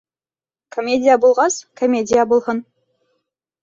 Комедия булғас, комедия булһын!